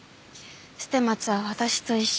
捨松は私と一緒。